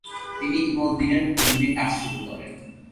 তিনি ইমাদউদ্দিনের অধীনে কাজ শুরু করেন।